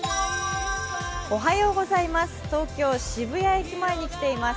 東京・渋谷駅前に来ています